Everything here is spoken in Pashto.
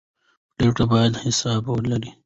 پرېکړې باید حساب ولري